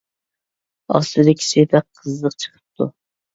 ئاستىدىكىسى بەك قىزىق چىقىپتۇ.